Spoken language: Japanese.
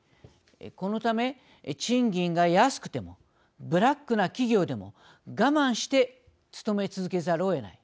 このため、賃金が安くてもブラックな企業でも我慢して勤め続けざるをえない。